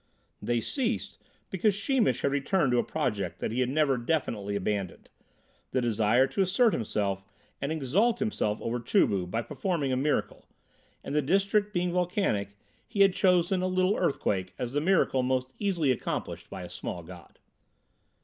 They ceased because Sheemish had returned to a project that he had never definitely abandoned, the desire to assert himself and exalt himself over Chu bu by performing a miracle, and the district being volcanic he had chosen a little earthquake as the miracle most easily accomplished by a small god.